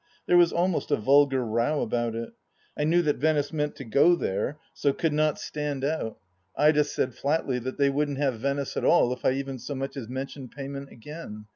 There was almost a vulgar row about it. I knew that Venice meant to go there, so could not stand out. THE LAST DITCH 149 Ida said flatly that they wouldn't have Venice at all if I even so much as mentioned payment again.